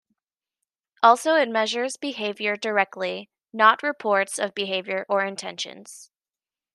Also it measures behavior directly, not reports of behavior or intentions.